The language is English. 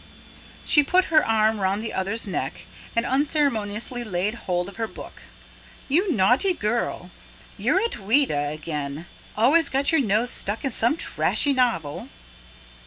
She put her arm round the other's neck, and unceremoniously laid hold of her book. "You naughty girl, you're at Ouida again! Always got your nose stuck in some trashy novel."